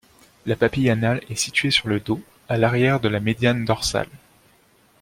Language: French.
La papille anale est située sur le dos, à l'arrière de la médiane dorsale.